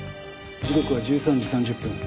時刻は１３時３０分。